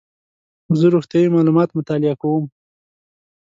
زه روغتیایي معلومات مطالعه کوم.